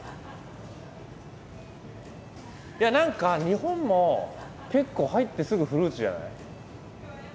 いや何か日本も結構入ってすぐフルーツじゃない？